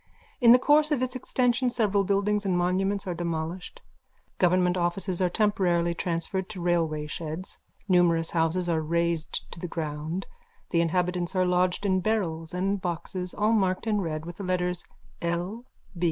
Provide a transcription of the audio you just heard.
In the course of its extension several buildings and monuments are demolished. Government offices are temporarily transferred to railway sheds. Numerous houses are razed to the ground. The inhabitants are lodged in barrels and boxes, all marked in red with the letters: L.